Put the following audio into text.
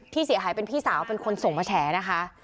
ผู้เสียหายเป็นพี่สาวเป็นคนส่งมาแฉนะคะ